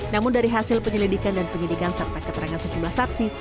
namun dari hasil penyelidikan dan penyidikan serta keterangan sejumlah saksi